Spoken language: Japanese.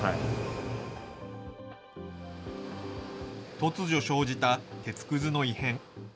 突如生じた鉄くずの異変。